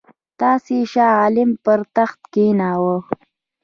تاسي شاه عالم پر تخت کښېناوه.